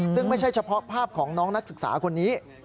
ซึ่งไม่ใช่เฉพาะภาพของน้องนักศึกษาคนนี้